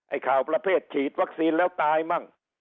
ข่าวประเภทฉีดวัคซีนแล้วตายมั่ง